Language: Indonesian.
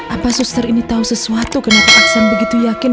apa suster ini tahu sesuatu kenapa aksan begitu yakin